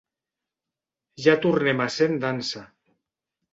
Ja tornem a ser en dansa.